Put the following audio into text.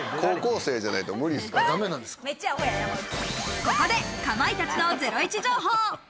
ここで、かまいたちのゼロイチ情報。